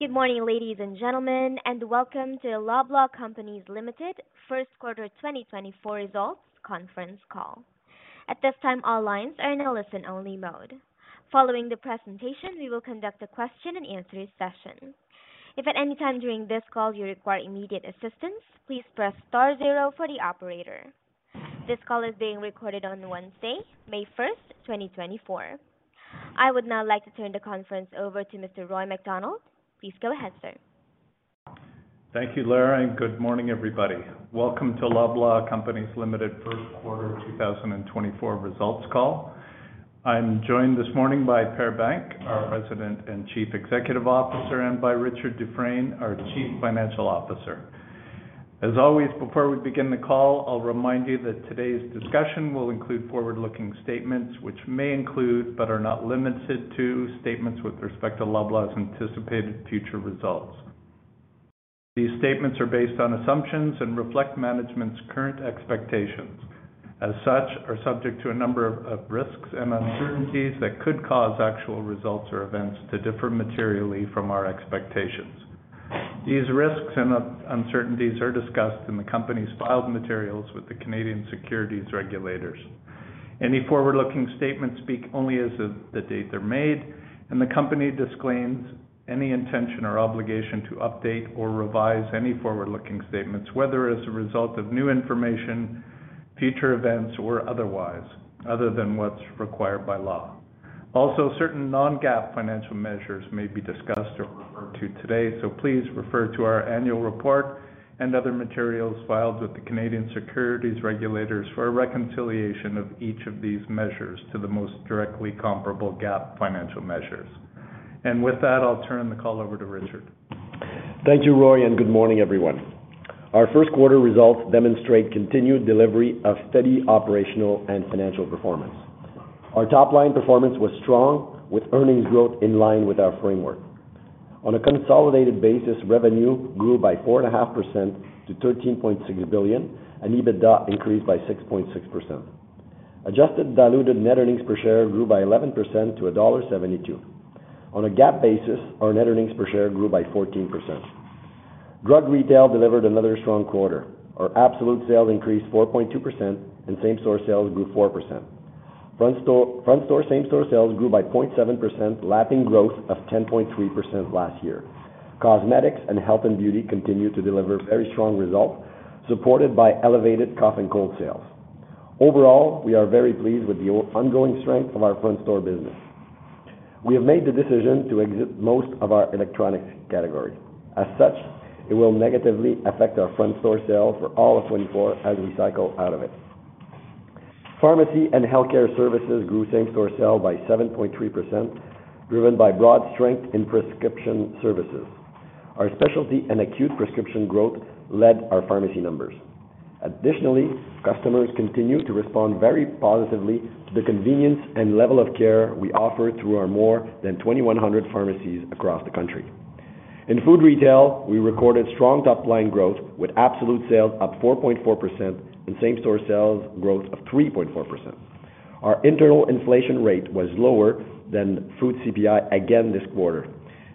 Good morning, ladies and gentlemen, and welcome to the Loblaw Companies Limited First Quarter 2024 Results Conference Call. At this time, all lines are in a listen-only mode. Following the presentation, we will conduct a question-and-answer session. If at any time during this call you require immediate assistance, please press star zero for the operator. This call is being recorded on Wednesday, May 1st, 2024. I would now like to turn the conference over to Mr. Roy MacDonald. Please go ahead, sir. Thank you, Lara, and good morning, everybody. Welcome to Loblaw Companies Limited First Quarter 2024 results call. I'm joined this morning by Per Bank, our President and Chief Executive Officer, and by Richard Dufresne, our Chief Financial Officer. As always, before we begin the call, I'll remind you that today's discussion will include forward-looking statements, which may include, but are not limited to, statements with respect to Loblaw's anticipated future results. These statements are based on assumptions and reflect management's current expectations, as such, are subject to a number of risks and uncertainties that could cause actual results or events to differ materially from our expectations. These risks and uncertainties are discussed in the company's filed materials with the Canadian Securities Regulators. Any forward-looking statements speak only as of the date they're made, and the company disclaims any intention or obligation to update or revise any forward-looking statements, whether as a result of new information, future events, or otherwise, other than what's required by law. Also, certain non-GAAP financial measures may be discussed or referred to today, so please refer to our annual report and other materials filed with the Canadian Securities Regulators for a reconciliation of each of these measures to the most directly comparable GAAP financial measures. With that, I'll turn the call over to Richard. Thank you, Roy, and good morning, everyone. Our first quarter results demonstrate continued delivery of steady operational and financial performance. Our top-line performance was strong, with earnings growth in line with our framework. On a consolidated basis, revenue grew by 4.5% to 13.6 billion, and EBITDA increased by 6.6%. Adjusted diluted net earnings per share grew by 11% to dollar 1.72. On a GAAP basis, our net earnings per share grew by 14%. Drug retail delivered another strong quarter. Our absolute sales increased 4.2%, and same-store sales grew 4%. Front store, front store same-store sales grew by 0.7%, lapping growth of 10.3% last year. Cosmetics and health and beauty continued to deliver very strong results, supported by elevated cough and cold sales. Overall, we are very pleased with the ongoing strength of our front store business. We have made the decision to exit most of our electronics category. As such, it will negatively affect our front store sales for all of 2024 as we cycle out of it. Pharmacy and healthcare services grew same-store sales by 7.3%, driven by broad strength in prescription services. Our specialty and acute prescription growth led our pharmacy numbers. Additionally, customers continue to respond very positively to the convenience and level of care we offer through our more than 2,100 pharmacies across the country. In food retail, we recorded strong top-line growth, with absolute sales up 4.4% and same-store sales growth of 3.4%. Our internal inflation rate was lower than food CPI again this quarter.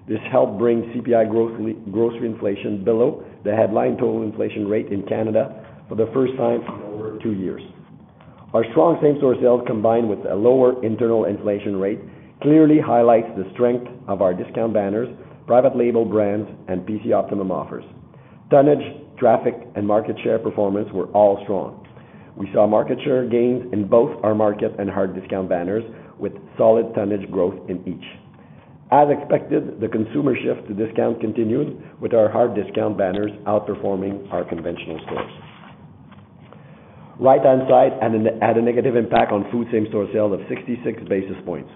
This helped bring CPI growth, grocery inflation below the headline total inflation rate in Canada for the first time in over two years. Our strong same-store sales, combined with a lower internal inflation rate, clearly highlights the strength of our discount banners, private label brands, and PC Optimum offers. Tonnage, traffic, and market share performance were all strong. We saw market share gains in both our Market and Hard Discount banners, with solid tonnage growth in each. As expected, the consumer shift to discount continued, with our Hard Discount banners outperforming our conventional stores. Right-hand side had a negative impact on food same-store sales of 66 basis points.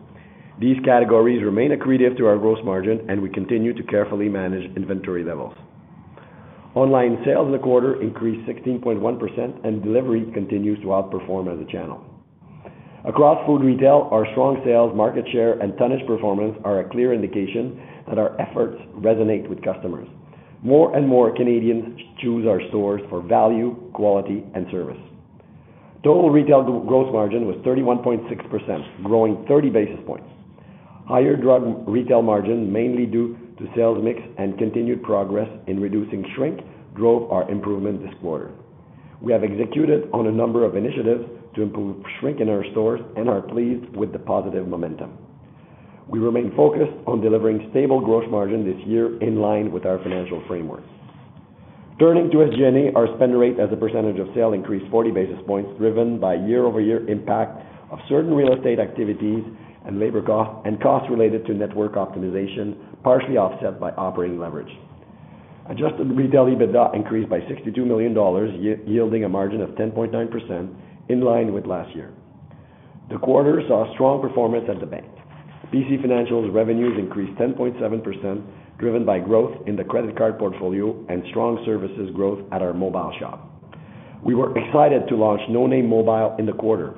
These categories remain accretive to our gross margin, and we continue to carefully manage inventory levels. Online sales in the quarter increased 16.1%, and delivery continues to outperform as a channel. Across food retail, our strong sales, market share, and tonnage performance are a clear indication that our efforts resonate with customers. More and more Canadians choose our stores for value, quality, and service. Total retail gross margin was 31.6%, growing 30 basis points. Higher drug retail margin, mainly due to sales mix and continued progress in reducing shrink, drove our improvement this quarter. We have executed on a number of initiatives to improve shrink in our stores and are pleased with the positive momentum. We remain focused on delivering stable gross margin this year, in line with our financial framework. Turning to SG&A, our spend rate as a percentage of sales increased 40 basis points, driven by year-over-year impact of certain real estate activities and labor costs related to network optimization, partially offset by operating leverage. Adjusted retail EBITDA increased by 62 million dollars, yielding a margin of 10.9%, in line with last year. The quarter saw strong performance at the bank. PC Financial's revenues increased 10.7%, driven by growth in the credit card portfolio and strong services growth at our mobile shop. We were excited to launch No Name Mobile in the quarter,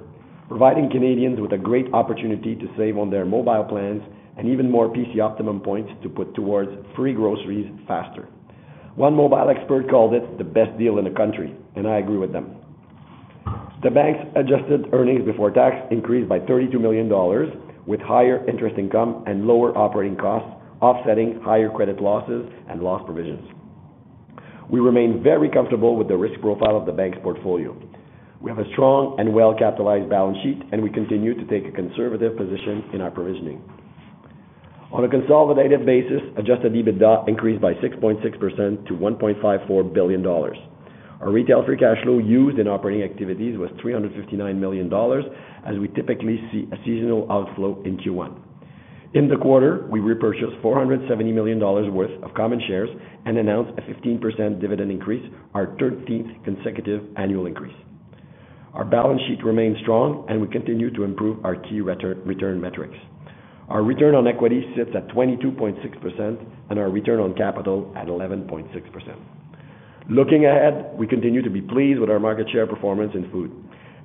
providing Canadians with a great opportunity to save on their mobile plans and even more PC Optimum points to put towards free groceries faster. One mobile expert called it the best deal in the country, and I agree with them. The bank's adjusted earnings before tax increased by 32 million dollars, with higher interest income and lower operating costs, offsetting higher credit losses and loss provisions. We remain very comfortable with the risk profile of the bank's portfolio. We have a strong and well-capitalized balance sheet, and we continue to take a conservative position in our provisioning. On a consolidated basis, adjusted EBITDA increased by 6.6% to 1.54 billion dollars. Our retail free cash flow used in operating activities was 359 million dollars, as we typically see a seasonal outflow in Q1. In the quarter, we repurchased 470 million dollars worth of common shares and announced a 15% dividend increase, our 13th consecutive annual increase. Our balance sheet remains strong, and we continue to improve our key return metrics. Our return on equity sits at 22.6% and our return on capital at 11.6%. Looking ahead, we continue to be pleased with our market share performance in food.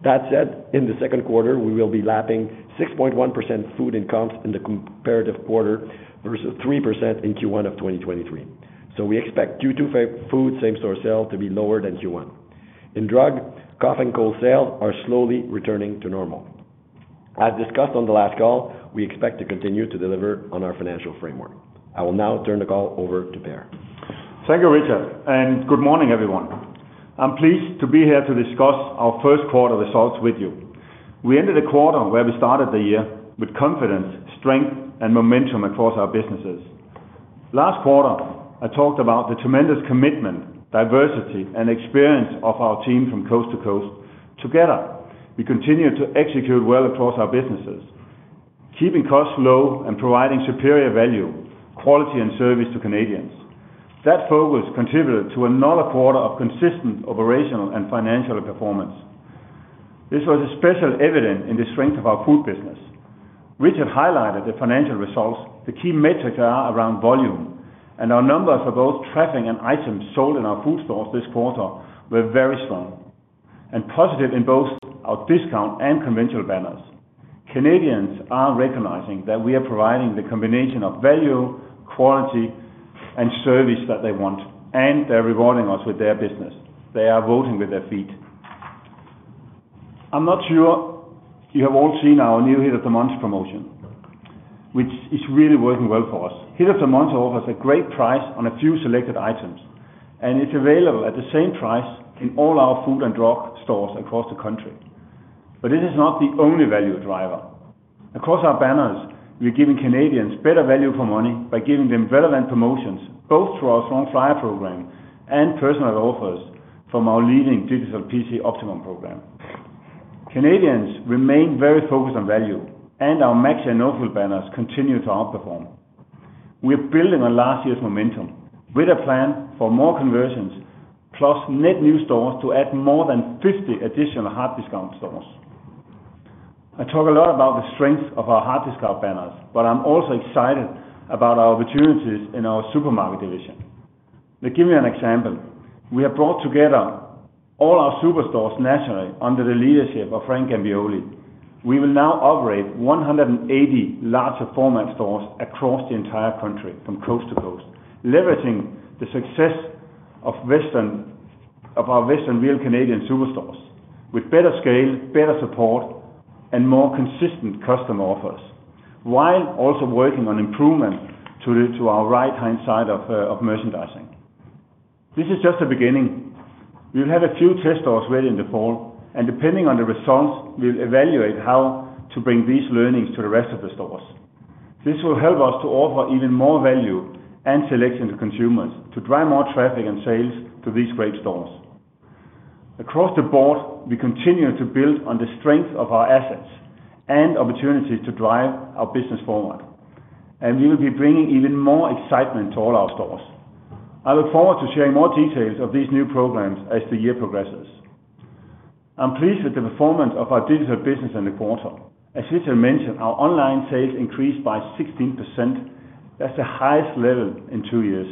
That said, in the second quarter, we will be lapping 6.1% food in comps in the comparative quarter versus 3% in Q1 of 2023. So we expect Q2 food same-store sales to be lower than Q1. In drug, cough, and cold sales are slowly returning to normal. As discussed on the last call, we expect to continue to deliver on our financial framework. I will now turn the call over to Per. Thank you, Richard, and good morning, everyone. I'm pleased to be here to discuss our first quarter results with you. We ended the quarter where we started the year, with confidence, strength, and momentum across our businesses. Last quarter, I talked about the tremendous commitment, diversity, and experience of our team from coast to coast. Together, we continue to execute well across our businesses, keeping costs low and providing superior value, quality, and service to Canadians. That focus contributed to another quarter of consistent operational and financial performance. This was especially evident in the strength of our food business. Richard highlighted the financial results. The key metrics are around volume, and our numbers for both traffic and items sold in our food stores this quarter were very strong, and positive in both our discount and conventional banners. Canadians are recognizing that we are providing the combination of value, quality, and service that they want, and they're rewarding us with their business. They are voting with their feet. I'm not sure you have all seen our new Hit of the Month promotion, which is really working well for us. Hit of the Month offers a great price on a few selected items, and it's available at the same price in all our food and drug stores across the country. But this is not the only value driver. Across our banners, we're giving Canadians better value for money by giving them relevant promotions, both through our strong flyer program and personalized offers from our leading digital PC Optimum program. Canadians remain very focused on value, and our Maxi and No Frills banners continue to outperform. We are building on last year's momentum with a plan for more conversions, plus net new stores to add more than 50 additional Hard Discount stores. I talk a lot about the strength of our Hard Discount banners, but I'm also excited about our opportunities in our supermarket division. Let me give you an example: We have brought together all our superstores nationally under the leadership of Frank Gambioli. We will now operate 180 larger format stores across the entire country, from coast to coast, leveraging the success of Western, of our Western Real Canadian Superstores, with better scale, better support, and more consistent customer offers, while also working on improvement to our right-hand side of merchandising. This is just the beginning. We'll have a few test stores ready in the fall, and depending on the results, we'll evaluate how to bring these learnings to the rest of the stores. This will help us to offer even more value and selection to consumers to drive more traffic and sales to these great stores. Across the board, we continue to build on the strength of our assets and opportunities to drive our business forward, and we will be bringing even more excitement to all our stores. I look forward to sharing more details of these new programs as the year progresses. I'm pleased with the performance of our digital business in the quarter. As Richard mentioned, our online sales increased by 16%. That's the highest level in two years.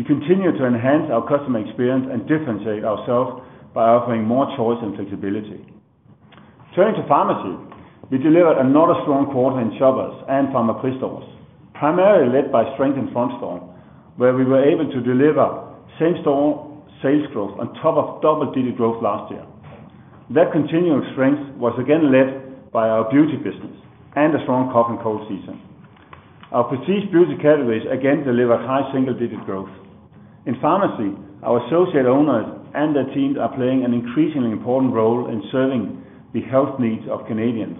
We continue to enhance our customer experience and differentiate ourselves by offering more choice and flexibility. Turning to pharmacy, we delivered another strong quarter in Shoppers and Pharmaprix stores, primarily led by strength in Front Store, where we were able to deliver same-store sales growth on top of double-digit growth last year. That continuing strength was again led by our beauty business and a strong cough and cold season. Our prestige beauty categories again delivered high single-digit growth. In pharmacy, our associate owners and their teams are playing an increasingly important role in serving the health needs of Canadians,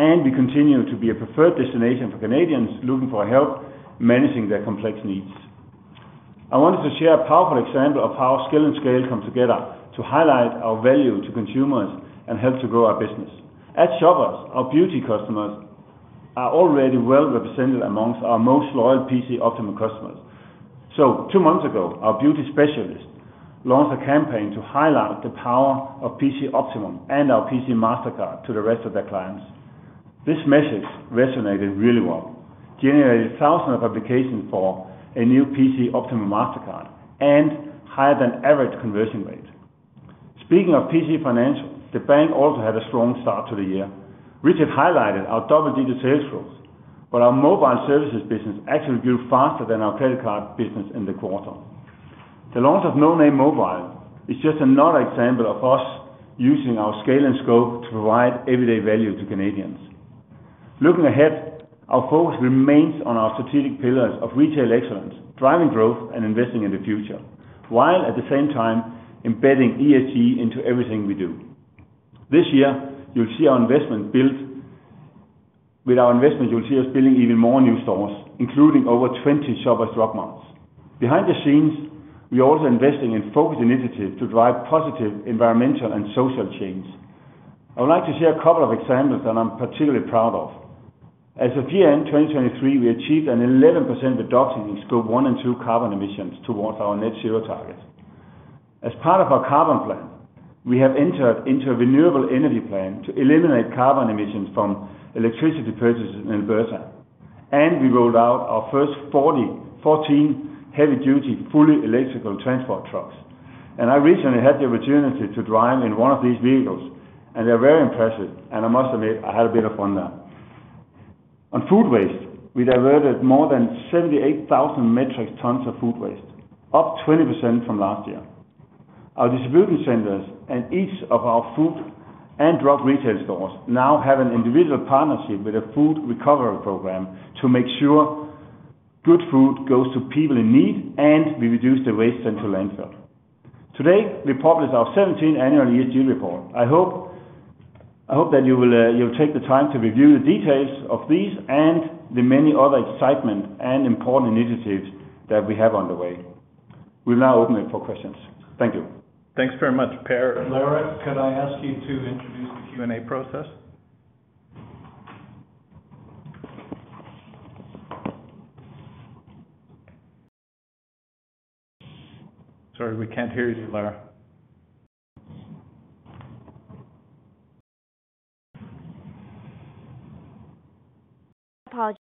and we continue to be a preferred destination for Canadians looking for help managing their complex needs. I wanted to share a powerful example of how skill and scale come together to highlight our value to consumers and help to grow our business. At Shoppers, our beauty customers are already well represented amongst our most loyal PC Optimum customers. So two months ago, our beauty specialist launched a campaign to highlight the power of PC Optimum and our PC Mastercard to the rest of their clients. This message resonated really well, generated thousands of applications for a new PC Optimum Mastercard, and higher than average conversion rate. Speaking of PC Financial, the bank also had a strong start to the year, which it highlighted our double-digit sales growth. But our mobile services business actually grew faster than our credit card business in the quarter. The launch of No Name Mobile is just another example of us using our scale and scope to provide everyday value to Canadians. Looking ahead, our focus remains on our strategic pillars of retail excellence, driving growth and investing in the future, while at the same time embedding ESG into everything we do. This year, you'll see our investment build. With our investment, you'll see us building even more new stores, including over 20 Shoppers Drug Marts. Behind the scenes, we are also investing in focused initiatives to drive positive environmental and social change. I would like to share a couple of examples that I'm particularly proud of. As of year-end 2023, we achieved an 11% reduction in Scope 1 and 2 carbon emissions towards our net zero target. As part of our carbon plan, we have entered into a renewable energy plan to eliminate carbon emissions from electricity purchases in Alberta, and we rolled out our first 40-14 heavy-duty, fully electrical transport trucks. I recently had the opportunity to drive in one of these vehicles, and they're very impressive, and I must admit, I had a bit of fun there. On food waste, we diverted more than 78,000 metric tons of food waste, up 20% from last year. Our distribution centers and each of our food and drug retail stores now have an individual partnership with a food recovery program to make sure good food goes to people in need, and we reduce the waste sent to landfill. Today, we published our 17th annual ESG report. I hope, I hope that you will, you'll take the time to review the details of these and the many other excitement and important initiatives that we have on the way. We'll now open it for questions. Thank you. Thanks very much, Per. Lara, could I ask you to introduce the Q&A process? Sorry, we can't hear you, Lara. Apologize.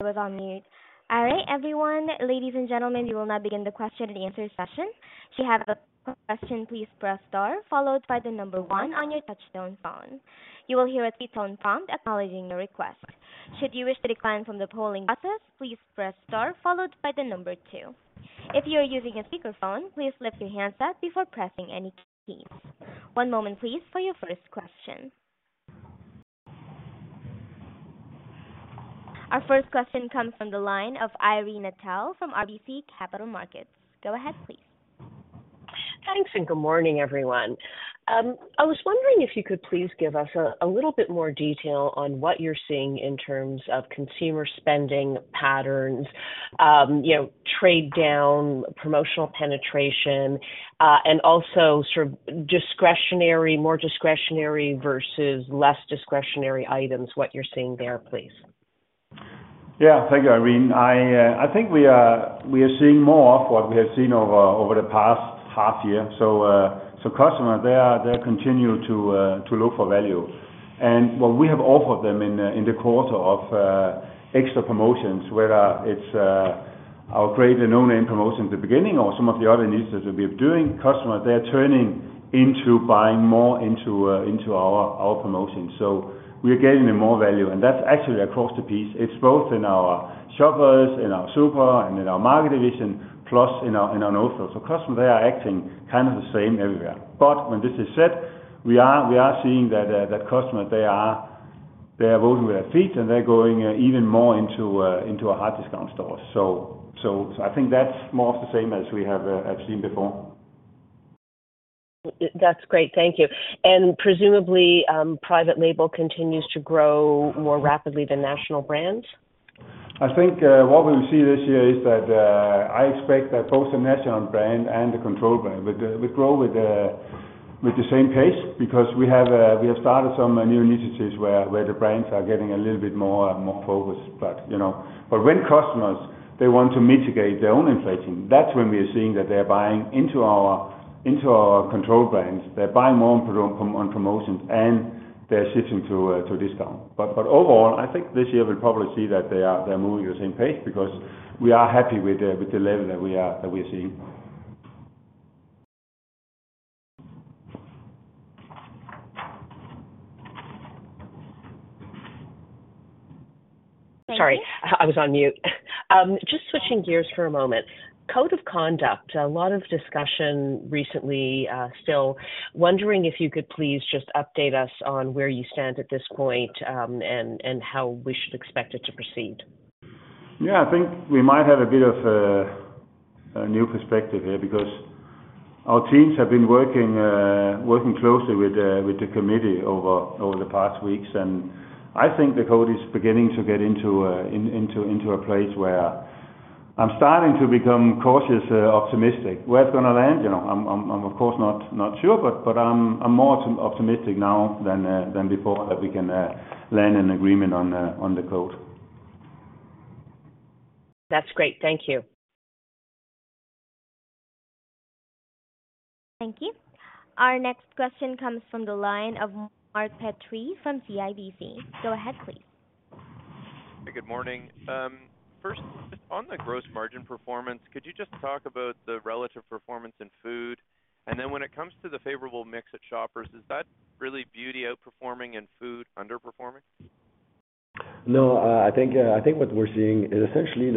I was on mute. All right, everyone, ladies and gentlemen, we will now begin the question-and-answer session. To have a question, please press star, followed by the number one on your touchtone phone. You will hear a tone prompt, acknowledging your request. Should you wish to decline from the polling process, please press star followed by the number two. If you are using a speakerphone, please lift your handset before pressing any keys. One moment, please, for your first question. Our first question comes from the line of Irene Nattel from RBC Capital Markets. Go ahead, please. Thanks, and good morning, everyone. I was wondering if you could please give us a little bit more detail on what you're seeing in terms of consumer spending patterns, you know, trade down, promotional penetration, and also sort of discretionary, more discretionary versus less discretionary items, what you're seeing there, please? Yeah. Thank you, Irene. I think we are seeing more of what we have seen over the past half year. So, customers, they continue to look for value. And what we have offered them in the quarter of extra promotions, whether it's our great and No Name promotion at the beginning or some of the other initiatives we've been doing, customers, they are turning into buying more into our promotions. So we are getting them more value, and that's actually across the piece. It's both in our Shoppers, in our Super and in our market division, plus in our No Frills. So customers, they are acting kind of the same everywhere. When this is said, we are seeing that customers they are voting with their feet, and they're going even more into our Hard Discount stores. So I think that's more of the same as we have seen before. That's great. Thank you. And presumably, private label continues to grow more rapidly than national brands? I think what we will see this year is that I expect that both the national brand and the control brand will grow with the same pace, because we have started some new initiatives where the brands are getting a little bit more focused. But you know, when customers want to mitigate their own inflation, that's when we are seeing that they're buying into our controlled brands. They're buying more on promotions, and they're shifting to discount. But overall, I think this year we'll probably see that they're moving at the same pace because we are happy with the level that we're seeing. Thank you. Sorry, I was on mute. Just switching gears for a moment. Code of Conduct, a lot of discussion recently, still. Wondering if you could please just update us on where you stand at this point, and how we should expect it to proceed. Yeah, I think we might have a bit of a new perspective here, because our teams have been working closely with the committee over the past weeks, and I think the code is beginning to get into a place where I'm starting to become cautiously optimistic. Where it's gonna land, you know, I'm of course not sure, but I'm more optimistic now than before, that we can land an agreement on the code. That's great. Thank you. Thank you. Our next question comes from the line of Mark Petrie from CIBC. Go ahead, please. Good morning. First, on the gross margin performance, could you just talk about the relative performance in food? And then when it comes to the favorable mix at Shoppers, is that really beauty outperforming and food underperforming? No, I think, I think what we're seeing is essentially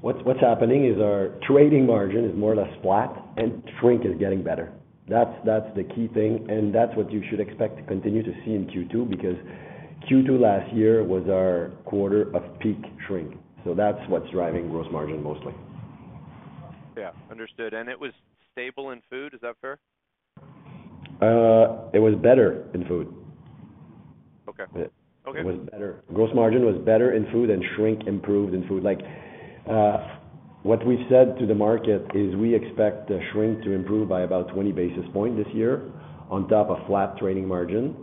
what's happening is our trading margin is more or less flat, and shrink is getting better. That's the key thing, and that's what you should expect to continue to see in Q2, because Q2 last year was our quarter of peak shrink. So that's what's driving gross margin mostly. Yeah, understood. It was stable in food. Is that fair? It was better in food. Okay. Okay. It was better. Gross margin was better in food, and shrink improved in food. Like, what we've said to the market is, we expect the shrink to improve by about 20 basis point this year, on top of flat trading margin.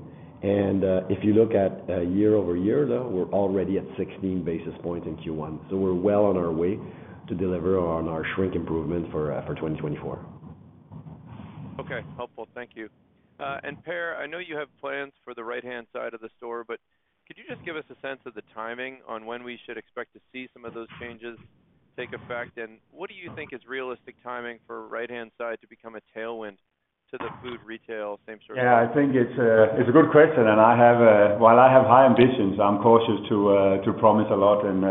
And, if you look at, year-over-year, though, we're already at 16 basis points in Q1. So we're well on our way to deliver on our shrink improvement for, for 2024. Okay, helpful. Thank you. And Per, I know you have plans for the right-hand side of the store, but could you just give us a sense of the timing on when we should expect to see some of those changes take effect? And what do you think is realistic timing for right-hand side to become a tailwind to the food retail, same store? Yeah, I think it's a good question, and while I have high ambitions, I'm cautious to promise a lot and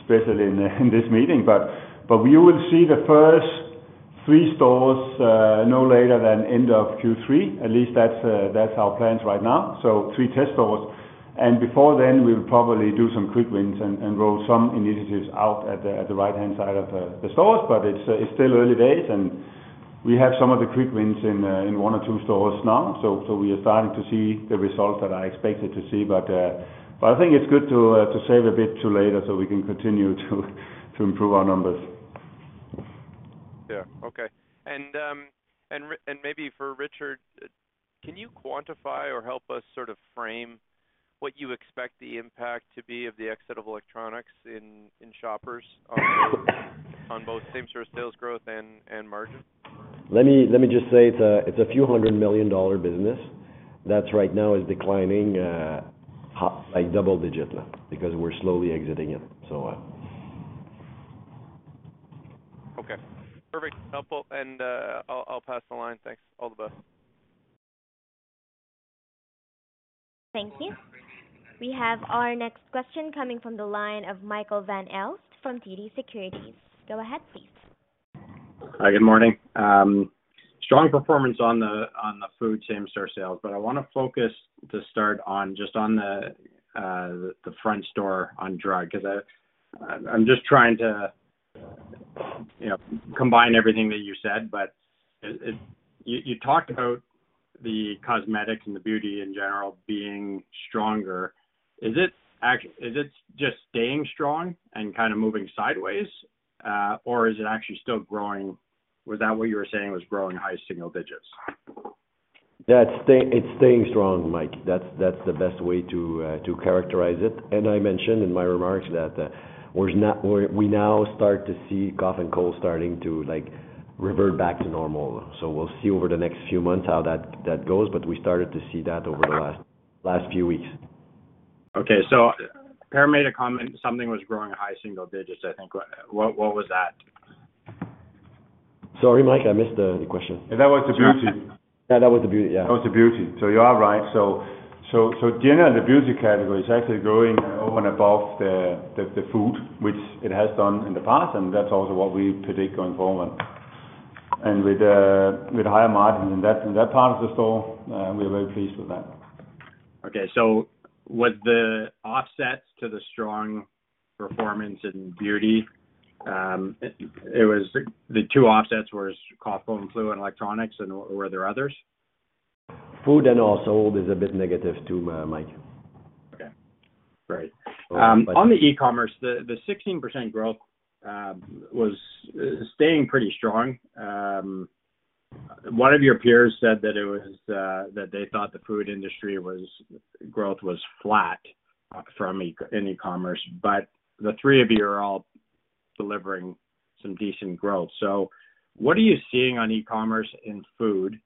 especially in this meeting. But we would see the first three stores no later than end of Q3. At least that's our plans right now. So three test stores. And before then, we'll probably do some quick wins and roll some initiatives out at the right-hand side of the stores. But it's still early days, and we have some of the quick wins in one or two stores now. So we are starting to see the results that I expected to see, but I think it's good to save a bit to later, so we can continue to improve our numbers. Yeah. Okay. And maybe for Richard, can you quantify or help us sort of frame what you expect the impact to be of the exit of electronics in Shoppers, on both same-store sales growth and margin? Let me just say, it's a few hundred million dollar business. That's right now is declining like double digits, because we're slowly exiting it, so. Okay, perfect. Helpful, and, I'll pass the line. Thanks. All the best. Thank you. We have our next question coming from the line of Michael Van Aelst from TD Securities. Go ahead, please. Hi, good morning. Strong performance on the food same store sales, but I wanna focus to start on, just on the front store, on drug, 'cause I'm just trying to, you know, combine everything that you said, but it... You talked about the cosmetics and the beauty in general being stronger. Is it just staying strong and kind of moving sideways? Or is it actually still growing? Was that what you were saying, was growing high single digits? Yeah, it's staying strong, Mike. That's, that's the best way to, to characterize it. And I mentioned in my remarks that, we're now, we're, we now start to see cough and cold starting to, like, revert back to normal. So we'll see over the next few months how that, that goes, but we started to see that over the last, last few weeks. Okay, so Per made a comment, something was growing high single digits, I think. What, what was that? Sorry, Mike, I missed the question. That was the beauty. Yeah, that was the beauty, yeah. That was the beauty. So you are right. So generally, the beauty category is actually growing over and above the food, which it has done in the past, and that's also what we predict going forward. And with higher margin in that part of the store, we are very pleased with that. Okay, so was the offsets to the strong performance in beauty, it was the two offsets was cough and flu and electronics, and were there others? Food and also is a bit negative, too, Mike. Okay. Great. So. On the e-commerce, the 16% growth was staying pretty strong. One of your peers said that it was that they thought the food industry growth was flat from e-commerce, but the three of you are all delivering some decent growth. So what are you seeing on e-commerce in food,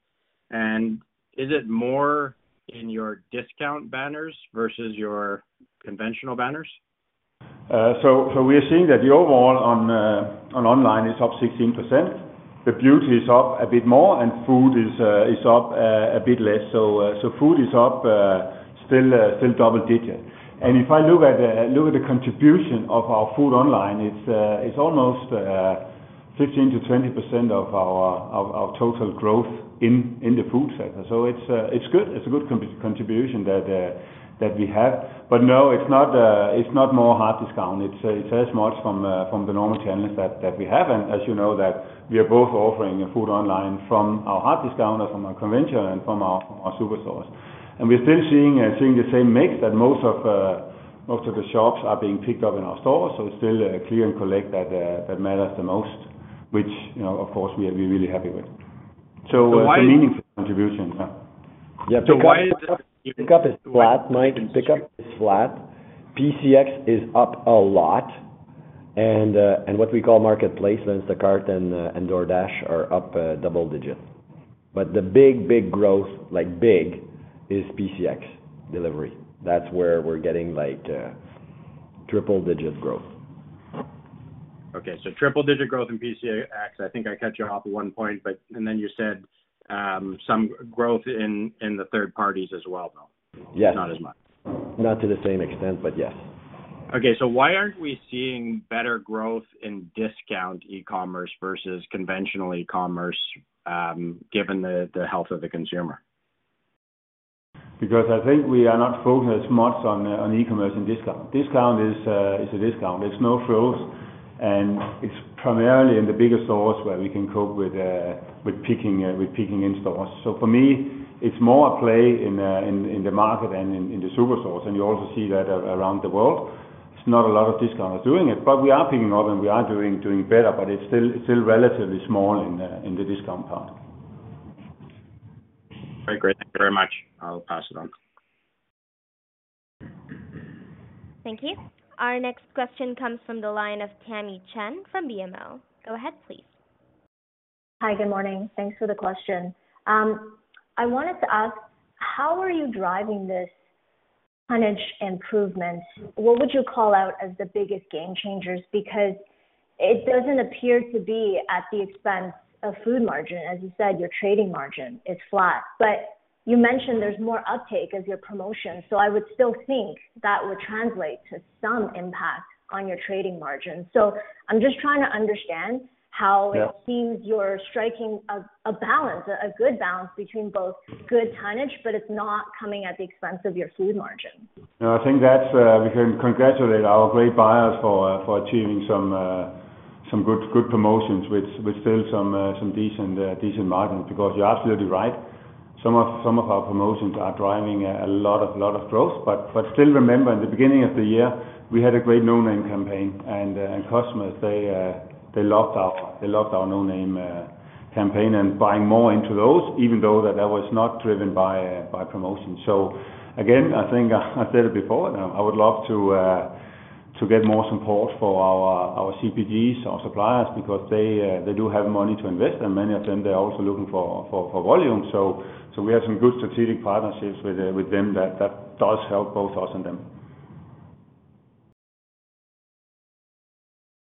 and is it more in your discount banners versus your conventional banners? We are seeing that the overall online is up 16%. The beauty is up a bit more, and food is up a bit less. So food is up still double digit. And if I look at the contribution of our food online, it's almost 15%-20% of our total growth in the food sector. So it's good. It's a good contribution that we have. But no, it's not more Hard Discount. It's as much from the normal channels that we have. And as you know, we are both offering food online from our Hard Discount store, from our conventional, and from our superstores. And we're still seeing the same mix that most of the shoppers are picking up in our stores. So it's still click and collect that matters the most, which, you know, of course, we are really happy with. So. So why? Meaningful contribution. Yeah. Yeah, so why is this? Pickup is flat, Mike. Pickup is flat. PCX is up a lot, and what we call marketplace, Instacart and DoorDash, are up double digits. But the big, big growth, like big, is PCX delivery. That's where we're getting, like, triple-digit growth. Okay, so triple-digit growth in PCX. I think I cut you off at one point, but, and then you said, some growth in the third parties as well, though? Yes. Not as much. Not to the same extent, but yes. Okay, so why aren't we seeing better growth in discount e-commerce versus conventional e-commerce, given the health of the consumer? Because I think we are not focused much on e-commerce and discount. Discount is a discount. There's No Frills, and it's primarily in the bigger stores where we can cope with picking in stores. So for me, it's more a play in the market than in the superstores. And you also see that around the world. It's not a lot of discounters doing it, but we are picking it up, and we are doing better, but it's still relatively small in the discount part. Very great. Thank you very much. I'll pass it on. Thank you. Our next question comes from the line of Tamy Chen from BMO. Go ahead, please. Hi, good morning. Thanks for the question. I wanted to ask, how are you driving this tonnage improvement? What would you call out as the biggest game changers? Because it doesn't appear to be at the expense of food margin. As you said, your trading margin is flat. But you mentioned there's more uptake as your promotion, so I would still think that would translate to some impact on your trading margin. So I'm just trying to understand how. Yeah. It seems you're striking a good balance between both good tonnage, but it's not coming at the expense of your food margin. No, I think that's, we can congratulate our great buyers for, for achieving some, some good, good promotions with, with still some, some decent, decent margins. Because you're absolutely right, some of our promotions are driving a lot of growth. But still, remember, in the beginning of the year, we had a great No Name campaign, and customers, they, they loved our, they loved our No Name campaign and buying more into those, even though that was not driven by promotion. So again, I think I said it before, and I would love to get more support for our CPGs, our suppliers, because they, they do have money to invest, and many of them, they're also looking for volume. So we have some good strategic partnerships with them that does help both us and them.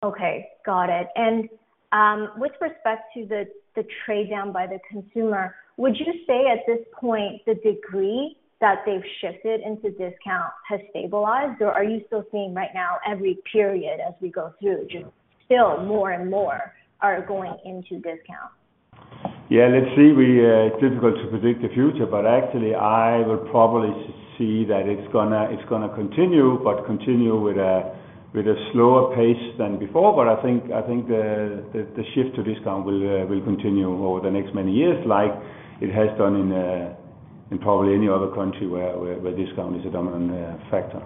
Okay, got it. With respect to the trade down by the consumer, would you say at this point, the degree that they've shifted into discount has stabilized, or are you still seeing right now every period as we go through, just still more and more are going into discount? Yeah, let's see. It's difficult to predict the future, but actually, I would probably see that it's gonna continue, but with a slower pace than before. But I think the shift to discount will continue over the next many years, like it has done in probably any other country where discount is a dominant factor.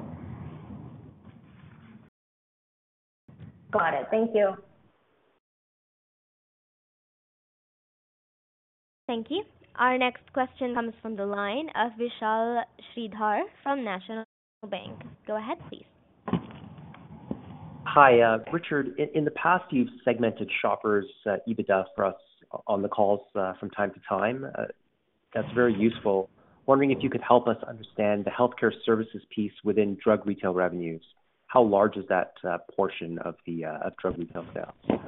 Got it. Thank you. Thank you. Our next question comes from the line of Vishal Shreedhar from National Bank. Go ahead, please. Hi, Richard, in the past, you've segmented Shoppers EBITDA for us on the calls from time to time. That's very useful. Wondering if you could help us understand the healthcare services piece within drug retail revenues. How large is that portion of drug retail sales?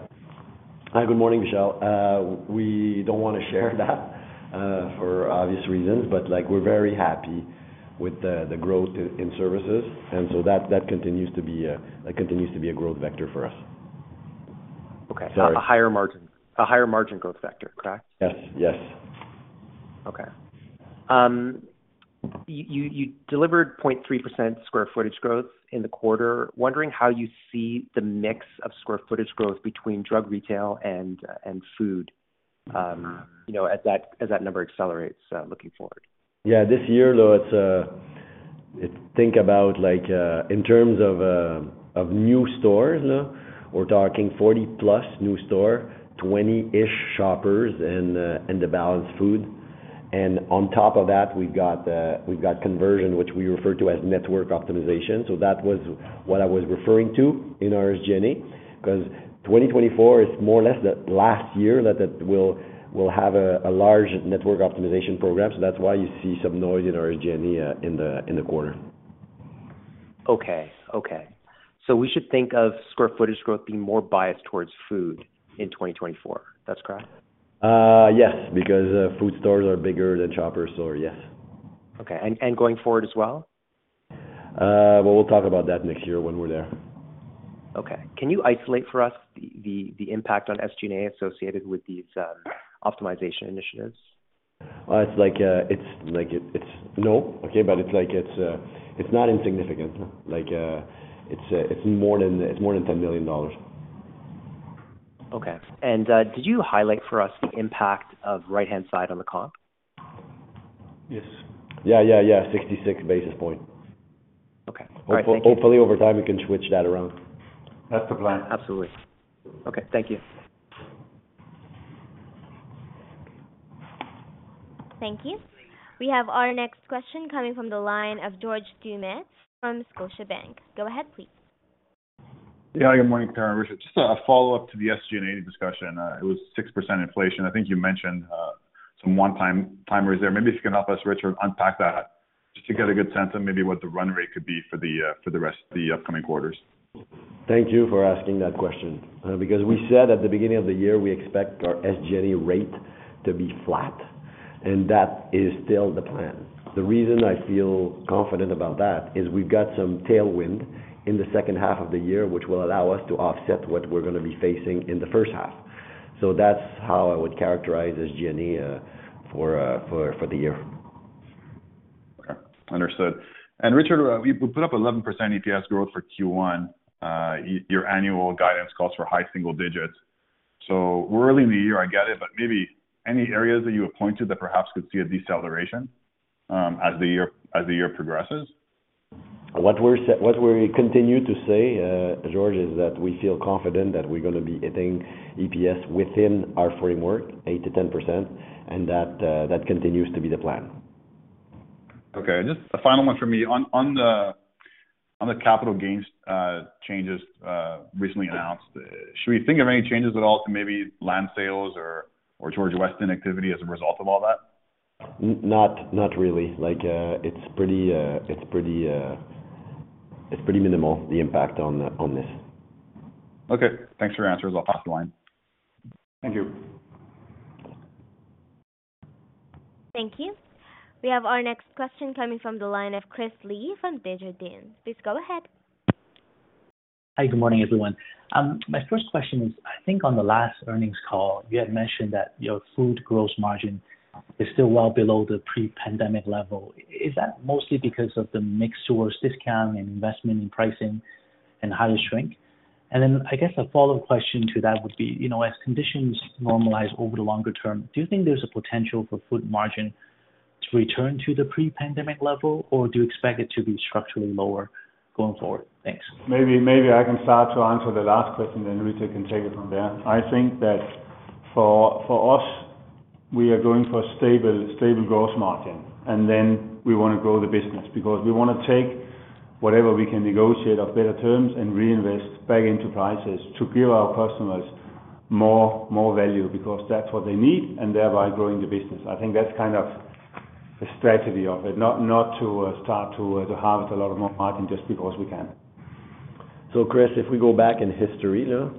Hi, good morning, Vishal. We don't want to share that for obvious reasons, but, like, we're very happy with the growth in services, and so that continues to be a growth vector for us. Okay. Sorry. A higher margin, a higher margin growth vector, correct? Yes. Yes. Okay. You delivered 0.3% square footage growth in the quarter. Wondering how you see the mix of square footage growth between drug retail and food, you know, as that number accelerates, looking forward. Yeah, this year, though, it's think about like in terms of new stores, we're talking 40+ new stores, 20-ish Shoppers and the balanced food. And on top of that, we've got conversion, which we refer to as network optimization. So that was what I was referring to in our SG&A, 'cause 2024 is more or less the last year that we'll have a large network optimization program. So that's why you see some noise in our SG&A in the quarter. Okay. Okay. We should think of square footage growth being more biased towards food in 2024. That's correct? Yes, because food stores are bigger than shopper stores. Yes. Okay. And, and going forward as well? Well, we'll talk about that next year when we're there. Okay. Can you isolate for us the impact on SG&A associated with these optimization initiatives? Okay, but it's like, it's not insignificant. Like, it's, it's more than, it's more than 10 million dollars. Okay. Did you highlight for us the impact of right-hand side on the comp? Yes. Yeah, yeah, yeah. 66 basis point. Okay. All right. Hopefully, over time, we can switch that around. That's the plan. Absolutely. Okay. Thank you. Thank you. We have our next question coming from the line of George Doumet from Scotiabank. Go ahead, please. Yeah, good morning, Per and Richard. Just a follow-up to the SG&A discussion. It was 6% inflation. I think you mentioned some one-time timers there. Maybe if you can help us, Richard, unpack that, just to get a good sense of maybe what the run rate could be for the rest of the upcoming quarters. Thank you for asking that question, because we said at the beginning of the year, we expect our SG&A rate to be flat, and that is still the plan. The reason I feel confident about that is we've got some tailwind in the second half of the year, which will allow us to offset what we're gonna be facing in the first half. So that's how I would characterize SG&A for the year. Okay, understood. Richard, we put up 11% EPS growth for Q1. Your annual guidance calls for high single-digit. So we're early in the year, I get it, but maybe any areas that you have pointed that perhaps could see a deceleration as the year progresses? What we continue to say, George, is that we feel confident that we're gonna be hitting EPS within our framework, 8%-10%, and that continues to be the plan. Okay, just a final one for me. On the capital gains changes recently announced, should we think of any changes at all to maybe land sales or George Weston activity as a result of all that? Not, not really. Like, it's pretty minimal, the impact on this. Okay, thanks for your answers. I'll pass the line. Thank you. Thank you. We have our next question coming from the line of Chris Li from Desjardins. Please go ahead. Hi, good morning, everyone. My first question is, I think on the last earnings call, you had mentioned that your food gross margin is still well below the pre-pandemic level. Is that mostly because of the mix towards discount and investment in pricing and higher shrink? And then, I guess a follow-up question to that would be, you know, as conditions normalize over the longer term, do you think there's a potential for food margin to return to the pre-pandemic level, or do you expect it to be structurally lower going forward? Thanks. Maybe I can start to answer the last question, then Richard can take it from there. I think that for us, we are going for a stable growth margin, and then we wanna grow the business, because we wanna take whatever we can negotiate of better terms and reinvest back into prices to give our customers more value because that's what they need, and thereby growing the business. I think that's kind of the strategy of it, not to harvest a lot of more margin just because we can. So Chris, if we go back in history, you know,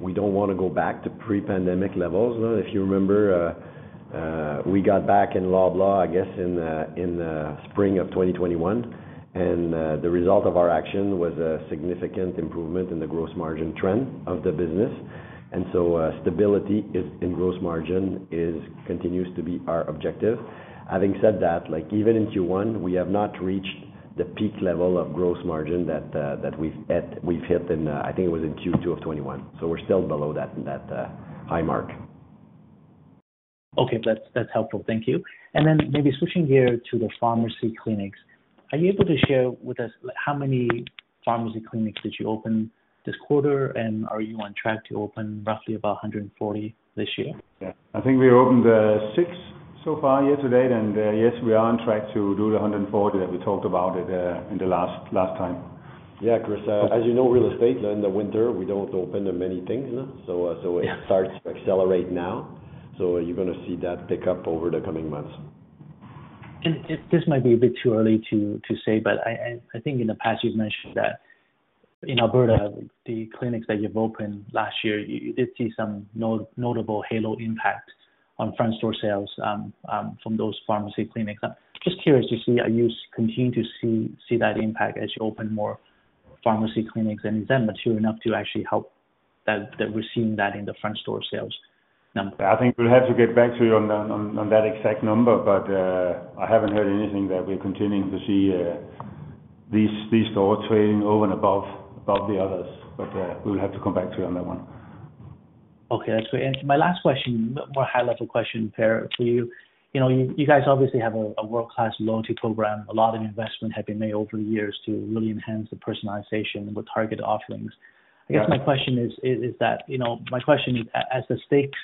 we don't wanna go back to pre-pandemic levels. If you remember, we got back in Loblaw, I guess, in the spring of 2021, and the result of our action was a significant improvement in the gross margin trend of the business. And so, stability in gross margin continues to be our objective. Having said that, like, even in Q1, we have not reached the peak level of gross margin that we've hit in. I think it was in Q2 of 2021, so we're still below that high mark. Okay, that's, that's helpful. Thank you. And then maybe switching gear to the pharmacy clinics. Are you able to share with us how many pharmacy clinics did you open this quarter? And are you on track to open roughly about 140 this year? Yeah. I think we opened six so far year to date, and yes, we are on track to do the 140 that we talked about it in the last time. Yeah, Chris, as you know, real estate, in the winter, we don't open up many things, so it. Yeah. Starts to accelerate now. So you're gonna see that pick up over the coming months. This might be a bit too early to say, but I think in the past, you've mentioned that in Alberta, the clinics that you've opened last year, you did see some notable halo impact on front store sales from those pharmacy clinics. Just curious to see, are you continue to see that impact as you open more pharmacy clinics, and is that mature enough to actually help that we're seeing that in the front store sales number? I think we'll have to get back to you on that, on, on that exact number, but, I haven't heard anything that we're continuing to see, these, these stores trading over and above, above the others. But, we'll have to come back to you on that one. Okay, that's great. My last question, more high-level question, Per, to you. You know, you guys obviously have a world-class loyalty program. A lot of investment have been made over the years to really enhance the personalization with targeted offerings. Yeah. I guess my question is, you know, my question is, as the stakes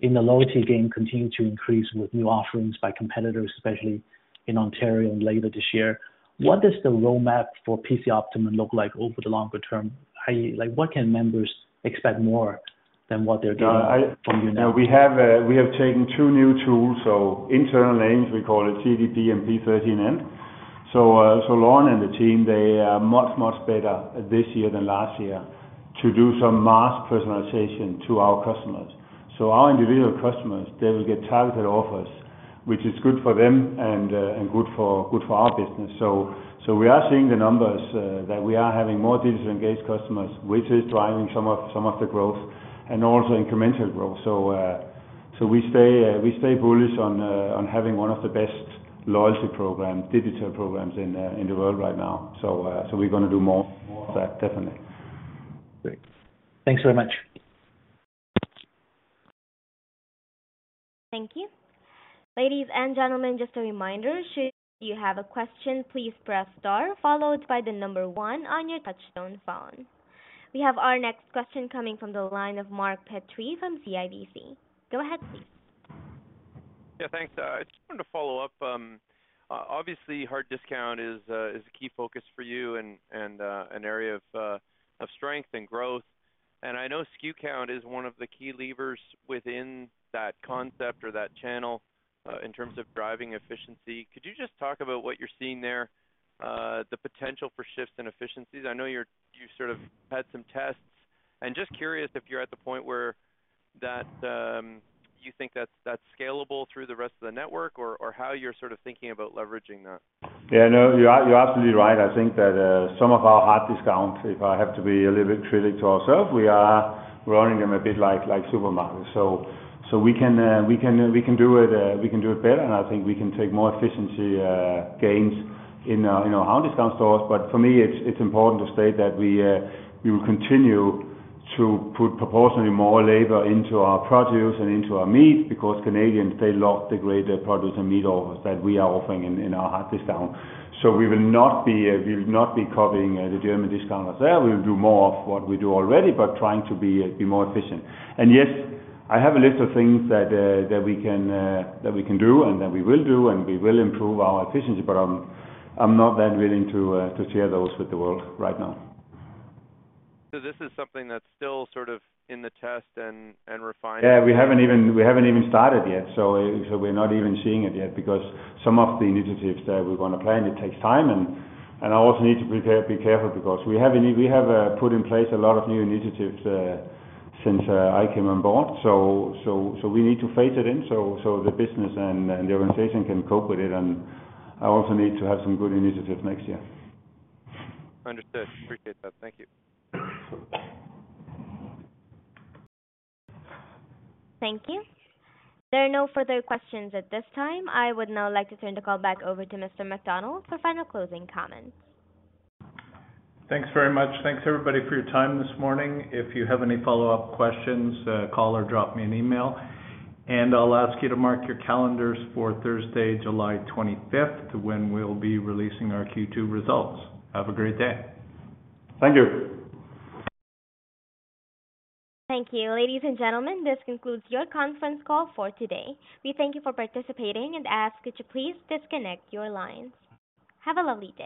in the loyalty game continue to increase with new offerings by competitors, especially in Ontario and later this year, what does the roadmap for PC Optimum look like over the longer term? I.e., like, what can members expect more than what they're getting. No, I. From you now? We have taken two new tools, so internal names, we call it CDP and P13N. So Lauren and the team, they are much, much better this year than last year, to do some mass personalization to our customers. So our individual customers, they will get targeted offers, which is good for them and good for our business. So we are seeing the numbers that we are having more digitally engaged customers, which is driving some of the growth and also incremental growth. So we stay bullish on having one of the best loyalty program, digital programs in the world right now. So we're gonna do more of that, definitely. Great. Thanks very much. Thank you. Ladies and gentlemen, just a reminder, should you have a question, please press star, followed by the number one on your touchtone phone. We have our next question coming from the line of Mark Petrie from CIBC. Go ahead, please. Yeah, thanks. I just wanted to follow up. Obviously, Hard Discount is a key focus for you and an area of strength and growth. I know SKU count is one of the key levers within that concept or that channel in terms of driving efficiency. Could you just talk about what you're seeing there, the potential for shifts in efficiencies? I know you sort of had some tests. Just curious if you're at the point where that you think that's scalable through the rest of the network, or how you're sort of thinking about leveraging that? Yeah, no, you're absolutely right. I think that some of our Hard Discount, if I have to be a little bit true to ourselves, we are running them a bit like supermarket. So we can do it better, and I think we can take more efficiency gains in our Hard Discount stores. But for me, it's important to state that we will continue to put proportionally more labor into our produce and into our meat, because Canadians love the greater produce and meat offers that we are offering in our Hard Discount. So we will not be copying the German discounters there. We'll do more of what we do already, but trying to be more efficient. Yes, I have a list of things that we can do and that we will do, and we will improve our efficiency, but I'm not that willing to share those with the world right now. This is something that's still sort of in the test and refining? Yeah, we haven't even, we haven't even started yet, so, so we're not even seeing it yet, because some of the initiatives that we're gonna plan, it takes time. And I also need to be careful because we have a need. We have put in place a lot of new initiatives since I came on board. So, so, so we need to phase it in so, so the business and, and the organization can cope with it, and I also need to have some good initiatives next year. Understood. Appreciate that. Thank you. Thank you. There are no further questions at this time. I would now like to turn the call back over to Mr. MacDonald for final closing comments. Thanks very much. Thanks, everybody, for your time this morning. If you have any follow-up questions, call or drop me an email. And I'll ask you to mark your calendars for Thursday, July 25th, when we'll be releasing our Q2 results. Have a great day. Thank you. Thank you. Ladies and gentlemen, this concludes your conference call for today. We thank you for participating and ask that you please disconnect your lines. Have a lovely day.